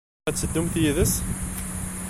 Ad teddumt yid-s?